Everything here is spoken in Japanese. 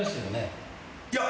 いや。